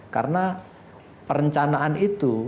karena perencanaan itu